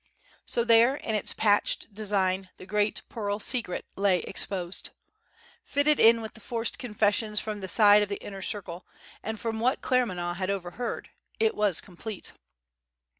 So there, in its patched design, the great pearl secret lay exposed! Fitted in with the forced confessions from the side of the Inner Circle, and from what Claremanagh had overheard, it was complete.